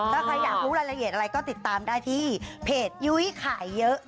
ถ้าใครอยากรู้รายละเอียดอะไรก็ติดตามได้ที่เพจยุ้ยขายเยอะ